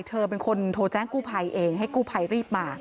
เธอเป็นคนโทรแจ้งกู้ภัยเองให้กู้ภัยรีบมา